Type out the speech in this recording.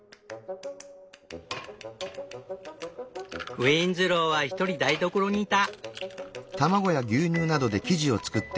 ウィンズローはひとり台所にいた。